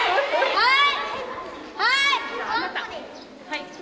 はい！